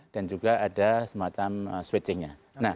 dan juga ada semacam switching nya